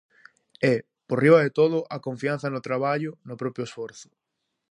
E, por riba de todo, a confianza no traballo, no propio esforzo.